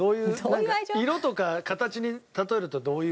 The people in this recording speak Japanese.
色とか形に例えるとどういう？